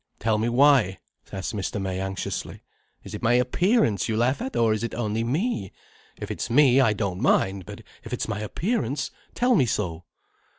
Tell me why?" asked Mr. May anxiously. "Is it my appearance you laugh at, or is it only me? If it's me I don't mind. But if it's my appearance, tell me so."